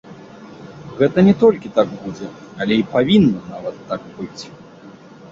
Гэта не толькі так будзе, але і павінна нават так быць!